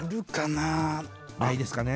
ないですかね？